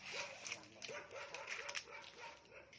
ปลูกชีวิต